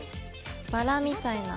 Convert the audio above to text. バラみたいな。